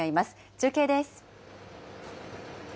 中継です。